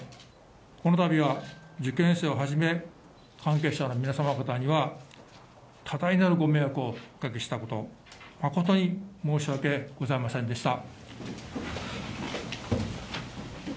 このたびは受験生をはじめ関係者の皆様方には、多大なるご迷惑をおかけしたこと、誠に申し訳ございませんでした。